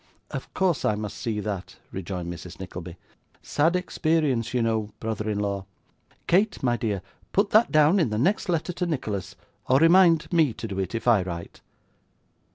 'Of course I must see that,' rejoined Mrs. Nickleby. 'Sad experience, you know, brother in law. Kate, my dear, put that down in the next letter to Nicholas, or remind me to do it if I write.